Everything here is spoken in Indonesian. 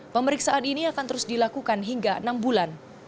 pemeriksaan ini akan terus dilakukan hingga enam bulan